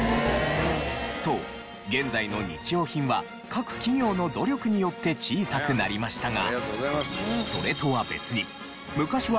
と現在の日用品は各企業の努力によって小さくなりましたが。